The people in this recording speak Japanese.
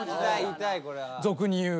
俗に言う。